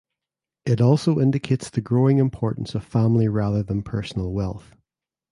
It also indicates the growing importance of family rather than personal wealth.